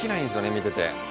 見てて。